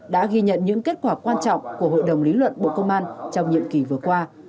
đã ghi nhận những kết quả quan trọng của hội đồng lý luận bộ công an trong nhiệm kỳ vừa qua